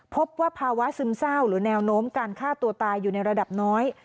พบว่าภาวะซึมเศร้าหรือแนวโน้มการฆ่าตัวตายอยู่ในระดับน้อย